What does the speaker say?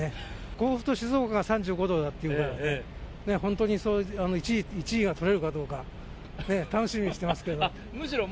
甲府と静岡が３５度だっていうから、本当に１位が取れるかどうか、ね、楽しみにしてますけど。